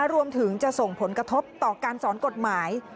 รวมถึงจะส่งผลกระทบต่อการสอนกฎหมาย